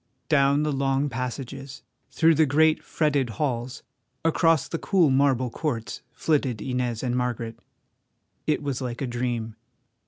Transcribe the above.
Down the long passages, through the great, fretted halls, across the cool marble courts, flitted Inez and Margaret. It was like a dream.